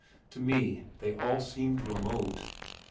To me they all seemed remote.